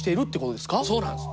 そうなんです。